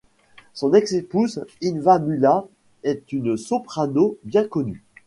Son ex-épouse Inva Mula est une soprano bien connue.